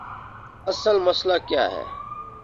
اصل مسئلہ کیا ہے؟